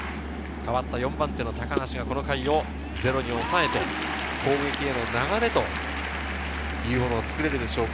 ４番手の高梨がこの回をゼロに抑えて、攻撃への流れというものをつくれるでしょうか。